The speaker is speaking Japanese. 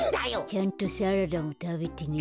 ちゃんとサラダもたべてね。